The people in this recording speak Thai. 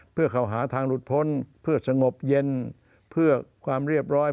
เพื่อเขาหาทางหลุดพ้นเพื่อสงบเย็นเพื่อความเรียบร้อย